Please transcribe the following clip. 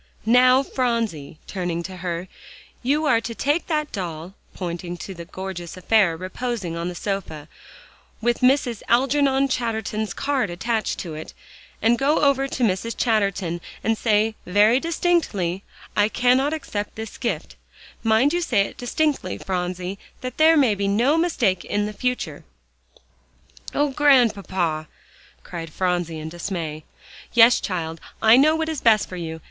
"Now, Phronsie," turning to her, "you are to take that doll," pointing to a gorgeous affair reposing on the sofa, with Mrs. Algernon Chatterton's card attached to it, "and go over to Mrs. Chatterton, and say, very distinctly, 'I cannot accept this gift;' mind you say it distinctly, Phronsie, that there may be no mistake in the future." "Oh, Grandpapa!" cried Phronsie in dismay. "Yes, child; I know what is best for you.